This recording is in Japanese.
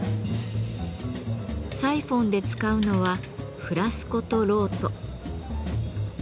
サイフォンで使うのはフラスコと漏斗。